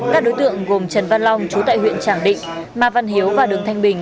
các đối tượng gồm trần văn long chú tại huyện tràng định ma văn hiếu và đường thanh bình